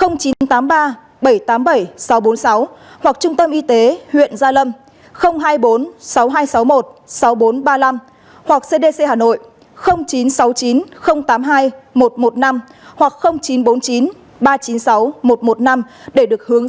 sáu trăm tám mươi ba bảy trăm tám mươi bảy sáu trăm bốn mươi sáu hoặc trung tâm y tế huyện gia lâm hai mươi bốn sáu nghìn hai trăm sáu mươi một sáu nghìn bốn trăm ba mươi năm hoặc cdc hà nội chín trăm sáu mươi chín tám mươi hai một trăm một mươi năm hoặc chín trăm bốn mươi chín ba trăm chín mươi sáu một trăm một mươi năm để được hướng dẫn